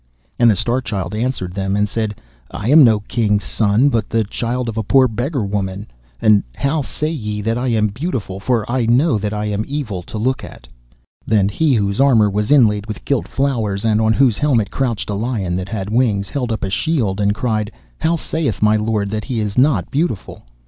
And the Star Child answered them and said, 'I am no king's son, but the child of a poor beggar woman. And how say ye that I am beautiful, for I know that I am evil to look at?' Then he, whose armour was inlaid with gilt flowers, and on whose helmet crouched a lion that had wings, held up a shield, and cried, 'How saith my lord that he is not beautiful?